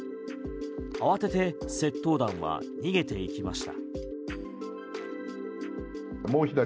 慌てて窃盗団は逃げていきました。